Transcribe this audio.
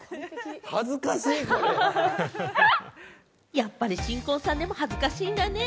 やっぱり新婚さんでも恥ずかしいんだね。